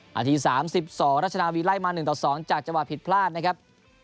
นาที๓๒รัชนาวีไล่มา๑ต่อ๒จากจังหวะผิดพลาดนะครับ